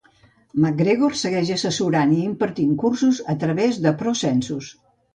MacGregor segueix assessorant i impartint cursos a través de ProSensus.